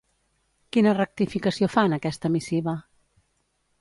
Quina rectificació fa en aquesta missiva?